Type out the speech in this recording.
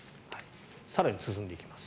更に進んでいきます。